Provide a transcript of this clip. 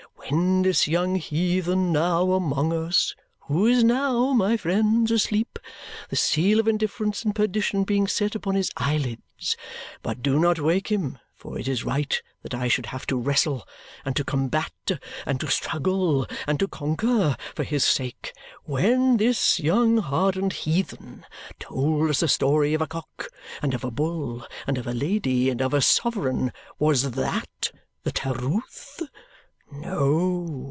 When this young heathen now among us who is now, my friends, asleep, the seal of indifference and perdition being set upon his eyelids; but do not wake him, for it is right that I should have to wrestle, and to combat and to struggle, and to conquer, for his sake when this young hardened heathen told us a story of a cock, and of a bull, and of a lady, and of a sovereign, was THAT the Terewth? No.